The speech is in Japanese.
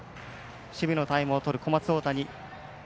守備のタイムをとる小松大谷。